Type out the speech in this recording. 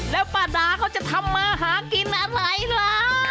แล้วป้าดาเขาจะทำมาหากินอะไรล่ะ